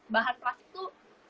bahan plastik tuh